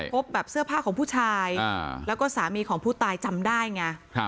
พบแบบเสื้อผ้าของผู้ชายแล้วก็สามีของผู้ตายจำได้ไง